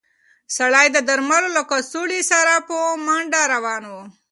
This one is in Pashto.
سړی د درملو له کڅوړې سره په منډه روان و.